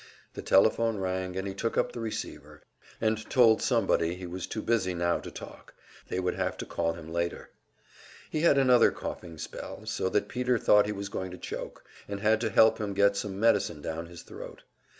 The telephone rang, and he took up the receiver, and told somebody he was too busy now to talk; they would have to call him later. He had another coughing spell, so that Peter thought he was going to choke, and had to help him get some medicine down his throat.